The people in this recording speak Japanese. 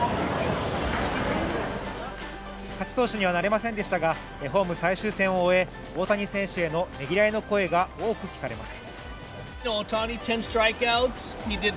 勝ち投手にはなれませんでしたがホーム最終戦を終え、大谷選手へのねぎらいの声が多く聞かれます。